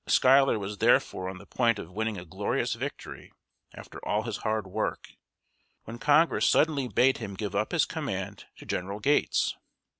Schuyler was therefore on the point of winning a glorious victory, after all his hard work, when Congress suddenly bade him give up his command to General Gates.